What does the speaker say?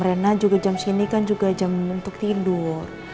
rena juga jam sini kan jam untuk tidur